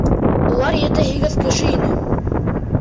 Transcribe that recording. Улар ете-һигеҙ кеше ине.